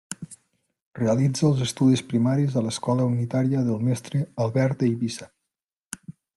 Realitza els estudis primaris a l’escola unitària del mestre Albert d’Eivissa.